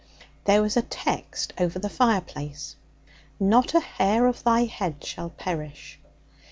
There was a text over the fireplace: '"Not a hair of thy head shall perish."'